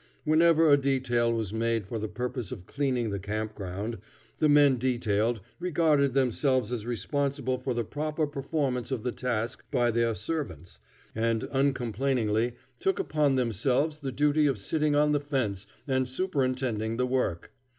Whenever a detail was made for the purpose of cleaning the camp ground, the men detailed regarded themselves as responsible for the proper performance of the task by their servants, and uncomplainingly took upon themselves the duty of sitting on the fence and superintending the work.